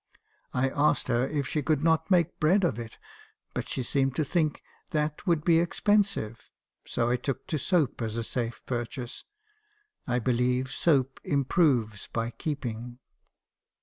I asked her if she could not make bread of it, but she seemed to think that would be expensive ; so I took to soap as a safe purchase. I believe soap improves by keeping.